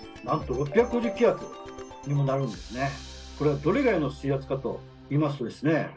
これがどれぐらいの水圧かといいますとですね